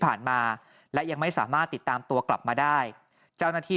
มาและยังไม่สามารถติดตามตัวกลับมาได้เจ้าหน้าที่